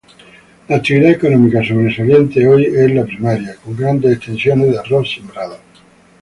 La actividad económica sobresaliente hoy es la primaria, con grandes extensiones de arroz sembrado.